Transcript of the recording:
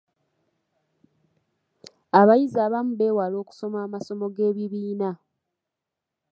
Abayizi abamu bewala okusoma amasomo g'ebibiina.